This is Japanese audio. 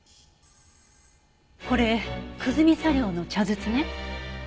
これ久住茶寮の茶筒ね。